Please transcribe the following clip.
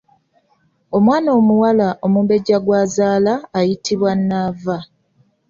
Omwana omuwala omumbejja gw’azaala ayitibwa Nnaava.